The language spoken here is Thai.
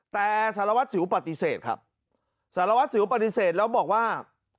แต่สารวัตรสิวปฏิเสธครับสารวัสสิวปฏิเสธแล้วบอกว่า